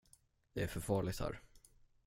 Det är för farligt här.